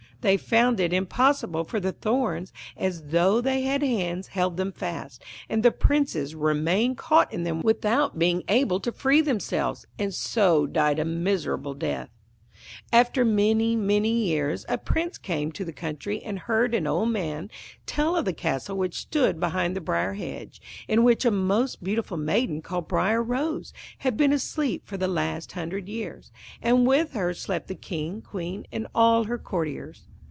They found it impossible, for the thorns, as though they had hands, held them fast, and the princes remained caught in them without being able to free themselves, and so died a miserable death. [Illustration: But round the castle a hedge of briar roses began to grow up.] After many, many years a Prince came again to the country and heard an old man tell of the castle which stood behind the briar hedge, in which a most beautiful maiden called Briar Rose had been asleep for the last hundred years, and with her slept the King, Queen, and all her courtiers.